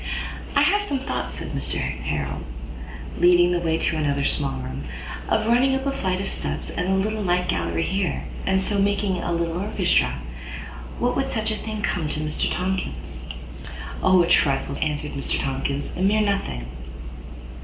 "I have some thoughts," said Mr Harrel, leading the way to another small room, "of running up a flight of steps and a little light gallery here, and so making a little Orchestra. What would such a thing come to, Mr Tomkins?" "O, a trifle, sir," answered Mr Tomkins, "a mere nothing."